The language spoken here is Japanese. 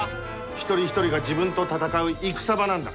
一人一人が自分と戦う戦場なんだ。